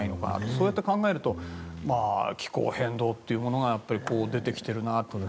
そうやって考えると気候変動が出てきているなという。